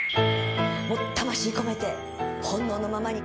魂込めて本能のままに。